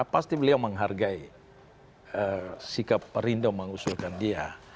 pasti beliau menghargai sikap perindo mengusulkan dia